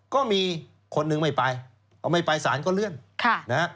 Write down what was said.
ก็มีคนหนึ่งไม่ไปไม่ไปสารก็เลื่อน